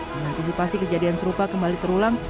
dengan antisipasi kejadian serupa kembali terulang